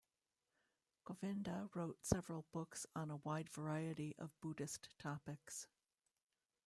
Govinda wrote several books on a wide variety of Buddhist topics.